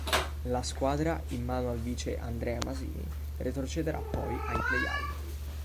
La squadra, in mano al vice Andrea Masini, retrocederà poi ai playout.